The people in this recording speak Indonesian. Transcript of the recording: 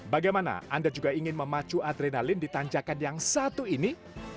bagaimana anda juga ingin memacu adrenalin di tanjakan yang satu ini